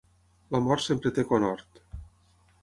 La mort sempre té conhort.